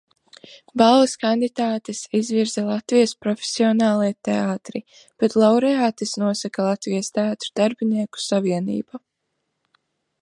Balvas kandidātes izvirza Latvijas profesionālie teātri, bet laureātes nosaka Latvijas Teātru darbinieku savienība.